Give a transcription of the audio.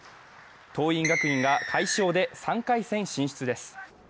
桐蔭学園が快勝で３回戦進出です。